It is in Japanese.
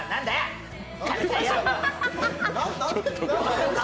ちょっと。